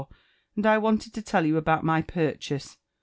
^And I wanted to tell you about my pur Aase.